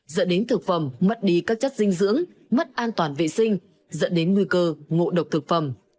dẫn đến thực phẩm mất đi các chất dinh dưỡng mất an toàn vệ sinh dẫn đến nguy cơ ngộ độc thực phẩm